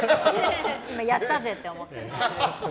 今、やったぜ！って思ってる。